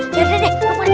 yaudah deh aku mau kejadian